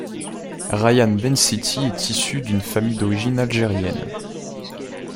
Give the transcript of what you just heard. Rayane Bensetti est issu d'une famille d'origine algérienne.